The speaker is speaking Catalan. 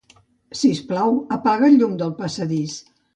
Si us plau, apaga el llum del passadís.